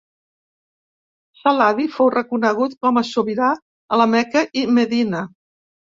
Saladí fou reconegut com a sobirà a la Meca i Medina.